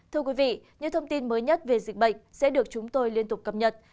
thưa quý vị những thông tin mới nhất về dịch bệnh sẽ được chúng tôi liên tục cập nhật